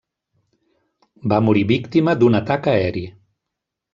Va morir víctima d'un atac aeri.